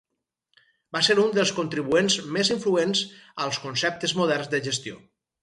Va ser un dels contribuents més influents als conceptes moderns de gestió.